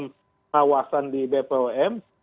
pengawasan di bpom